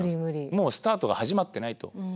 もうスタートが始まってないと。